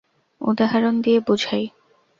উদাহরণ দিয়ে বুঝাই।